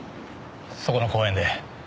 そこの公園で。